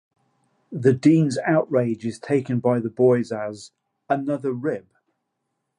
The dean's outrage is taken by the boys as "another rib".